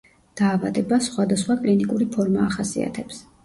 დაავადებას სხვადასხვა კლინიკური ფორმა ახასიათებს.